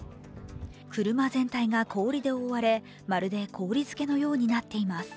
車全体が氷で覆われ、まるで氷づけのようになっています。